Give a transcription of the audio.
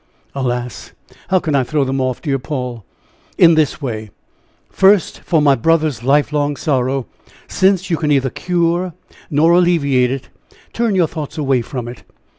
"Alas, how can I throw them off, dear Paul?" "In this way first, for my brother's life long sorrow, since you can neither cure nor alleviate it, turn your thoughts away from it.